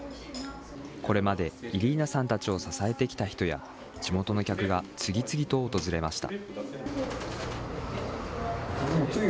これまで、イリーナさんたちを支えてきた人や、地元の客が次々と訪れました。